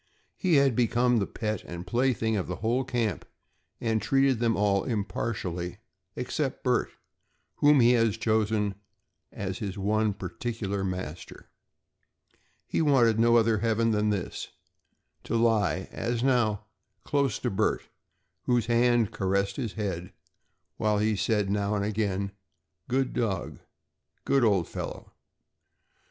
He had become the pet and plaything of the whole camp and treated them all impartially except Bert whom he had chosen as his one particular master. He wanted no other heaven than this to lie, as now, close to Bert, whose hand caressed his head while he said now and again: "Good dog"; "Good old fellow!"